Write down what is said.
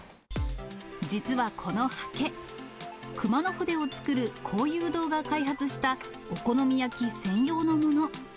実はこのはけ、熊野筆を作る晃祐堂が開発したお好み焼き専用のもの。